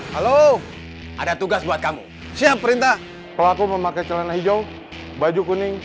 halo ada tugas buat kamu siap perintah pelaku memakai celana hijau baju kuning